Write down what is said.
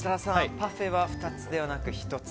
パフェは２つではなく１つ。